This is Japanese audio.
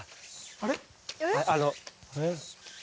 あれ？